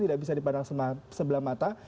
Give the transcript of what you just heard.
tidak bisa dipandang sebelah mata